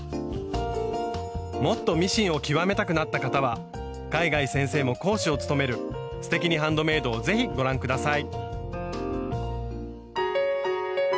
もっとミシンを極めたくなった方は海外先生も講師を務める「すてきにハンドメイド」を是非ご覧下さい。